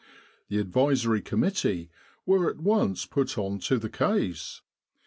The Advisory Committee were at once put on to the case.